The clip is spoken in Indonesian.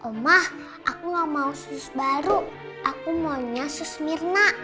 oma aku nggak mau sus baru aku maunya sus minah